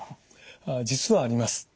実はあります。